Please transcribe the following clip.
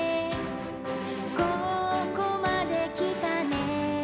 「ここまで来たね」